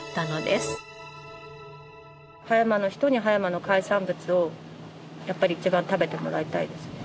葉山の人に葉山の海産物をやっぱり一番食べてもらいたいですね。